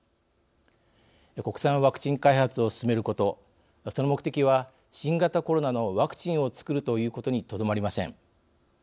国産ワクチン開発を進めることその目的は新型コロナのワクチンを作るということにとどまりません。